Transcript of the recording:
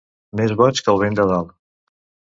Més boig que el vent de dalt.